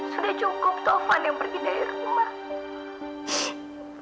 sudah cukup taufan yang pergi dari rumah